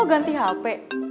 lu ganti hp